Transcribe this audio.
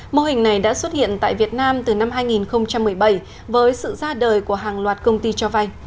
mô hình này đã xuất hiện tại việt nam từ năm hai nghìn một mươi bảy với sự ra đời của hàng loạt công ty cho vay